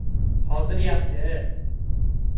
Hozir yaxshi.